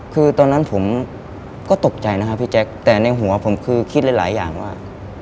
คือตอนนั้นผมก็ตกใจนะครับพี่แจ๊คแต่ในหัวผมคือคิดหลายอย่างว่า